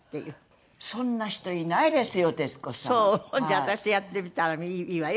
じゃあ私とやってみたらいいわよ